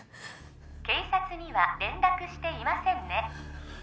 警察には連絡していませんね？